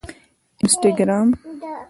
انسټاګرام